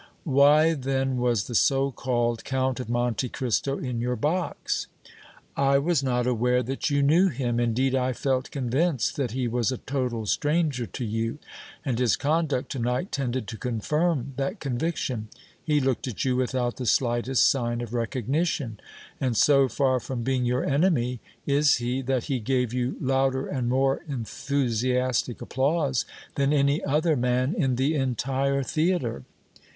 "Why then was the so called Count of Monte Cristo in your box?" "I was not aware that you knew him; indeed, I felt convinced that he was a total stranger to you, and his conduct to night tended to confirm that conviction. He looked at you without the slightest sign of recognition; and so far from being your enemy is he that he gave you louder and more enthusiastic applause than any other man in the entire theatre."